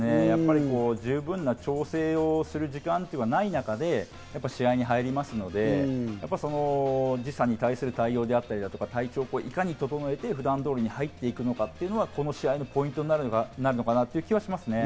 十分な調整をする時間というのがない中で試合に入りますので、時差に対する対応であったり、体調をいかに整えて普段通り入っていくかというのが、この試合のポイントになるのかなという気はします。